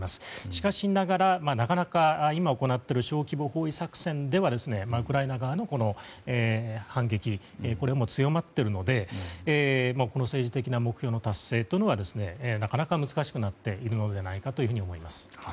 しかしながら、なかなか今、行っている小規模包囲作戦ではウクライナ側の反撃が強まっているので政治的な目標の達成というのはなかなか難しくなっているのではないかと思います。